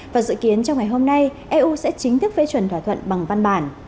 và dự kiến trong ngày hôm nay eu sẽ chính thức phê chuẩn thỏa thuận bằng văn bản